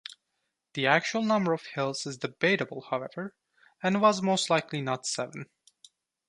The actual number of hills is debatable however and was most likely not seven.